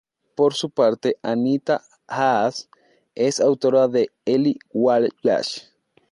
Por su parte, Anita Haas es autora de "Eli Wallach.